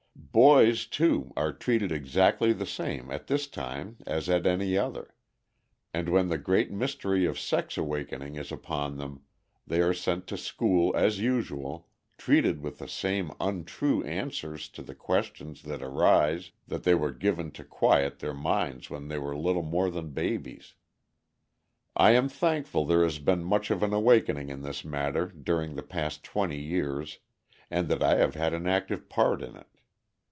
Boys, too, are treated exactly the same at this time as at any other, and when the great mystery of sex awakening is upon them, they are sent to school as usual, treated with the same untrue answers to the questions that arise that they were given to quiet their minds when they were little more than babies. I am thankful there has been much of an awakening in this matter during the past twenty years, and that I have had an active part in it.